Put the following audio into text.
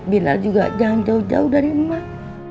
bilal juga jangan jauh jauh dari emah